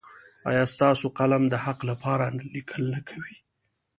ایا ستاسو قلم د حق لپاره لیکل نه کوي؟